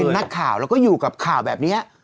นักข่าวแล้วก็อยู่กับข่าวแบบนี้